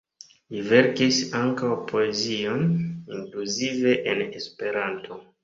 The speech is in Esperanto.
Li verkis ankaŭ poezion, inkluzive en Esperanto.